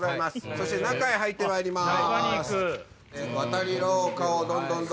そして中へ入ってまいります。